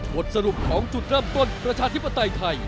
บทสรุปของจุดเริ่มต้นประชาธิปไตยไทย